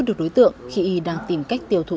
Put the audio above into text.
được đối tượng khi đang tìm cách tiêu thụ